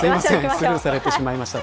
スルーされてしまいました。